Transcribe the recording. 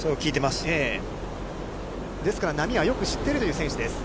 ですから波はよく知っているという選手です。